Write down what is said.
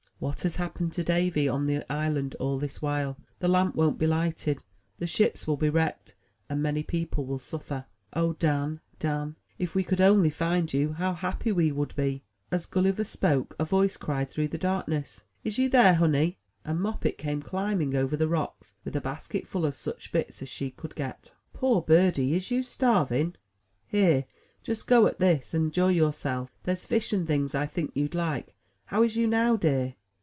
"What has happened to Davy alone on the island all this while? The lamp won't be lighted, the ships will be wrecked, and many people will suffer. O Dan, Dan, if we could only find you, how happy we would be!" As Gulliver spoke, a voice cried through the darkness: "Is you dere, honey?" and Moppet came climbing over the 92 THE TREASURE CHEST rocks, with a basket full of such bits as she could get. *Toor birdie, is you starvin'? Here, jes go at dis, and joy yourself. Dere's fish and tings I tink you'd like. How is you now, dear?"